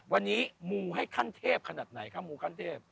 วันนี้มูให้ขั้นเทพขนาดไหนคะมูขั้นเทพ